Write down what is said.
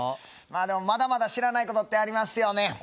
まあでもまだまだ知らない事ってありますよね。